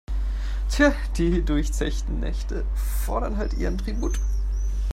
Tja, die durchzechten Nächte fordern halt ihren Tribut.